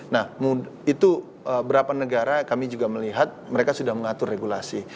nah itu berapa negara kami juga melihat mereka sudah mengatur regulasi